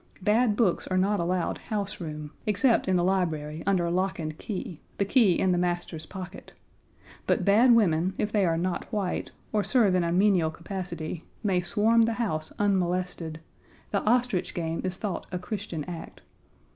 Bad books are not allowed house room, except in the library under lock and key, the key in the Master's pocket; but bad women, if they are not white, or serve in a menial capacity, may swarm the house unmolested; the ostrich game is thought a Christian act.